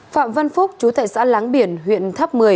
phạm văn phúc chú tại xã láng biển huyện tháp một mươi